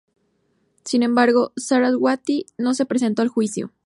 Sin embargo, Saraswati no se presentó al juicio.